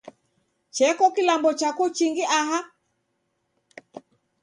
Cheko kilambo chako chingi aha?